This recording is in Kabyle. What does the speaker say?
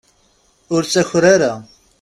Ur ttaker ara.